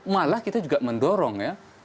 malah kita juga mendorong